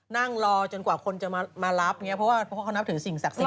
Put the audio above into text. นั่งรอจนกว่าคนจะมารับเพราะว่าเขานับถึงสิ่งศักดิ์สิทธิ์